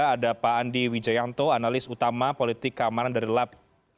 ada pak andi wijayanto analis utama politik keamanan dari lab empat puluh lima